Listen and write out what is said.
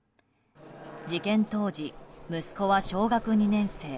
事件当時、息子は小学２年生。